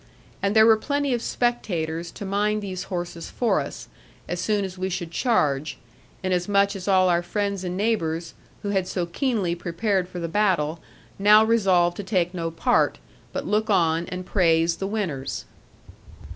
And there were plenty of spectators to mind these horses for us, as soon as we should charge; inasmuch as all our friends and neighbours, who had so keenly prepared for the battle, now resolved to take no part, but look on, and praise the winners.